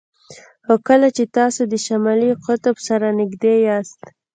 خو کله چې تاسو د شمالي قطب سره نږدې یاست